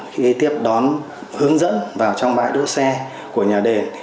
khi tiếp đón hướng dẫn vào trong bãi đỗ xe của nhà đền